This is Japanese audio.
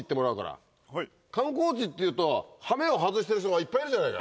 観光地っていうとハメを外してる人がいっぱいいるじゃない。